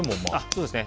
そうですね。